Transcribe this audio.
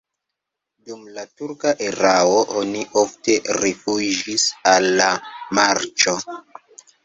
Dum la turka erao oni ofte rifuĝis al la marĉo.